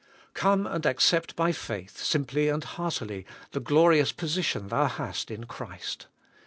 Come and accept by faith sim ply and heartily the glorious position thou hast in Christ.